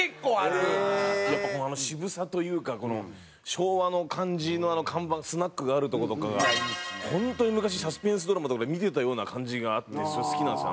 やっぱこの渋さというか昭和の感じの看板スナックがあるとことかが本当に昔サスペンスドラマとかで見てたような感じがあってすごい好きなんですよ